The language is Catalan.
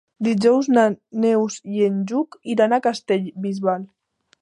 Dijous na Neus i en Lluc iran a Castellbisbal.